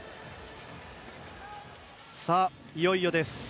さあ、いよいよです。